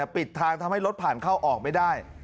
ปิดทางทำให้รถผ่านเข้าออกไม่ได้